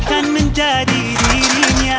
jangan jangan jangan